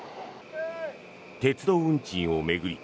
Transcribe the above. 鉄道運賃を巡り